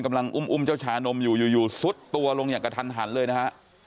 กำลังอุ้มเจ้าชานมอยู่อยู่ซุดตัวลงอย่างกระทันหันเลยนะฮะ